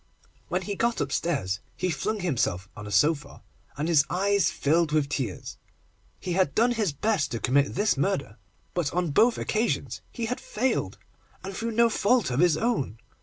When he got upstairs, he flung himself on a sofa, and his eyes filled with tears. He had done his best to commit this murder, but on both occasions he had failed, and through no fault of his own.